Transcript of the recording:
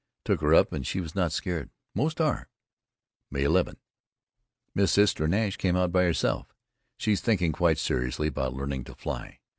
Took her up and she was not scared, most are. May 11: Miss Istra Nash came out by herself. She's thinking quite seriously about learning to fly.